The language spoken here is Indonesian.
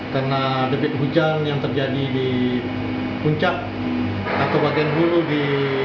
karena debit hujan yang terjadi di puncak atau bagian bulu di